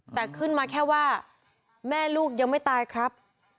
แต่ขึ้นมาแค่ว่าแม่ลูกยังไม่ตายครับ